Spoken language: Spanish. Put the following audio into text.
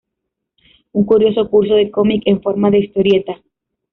Un curioso curso de cómic en forma de historieta.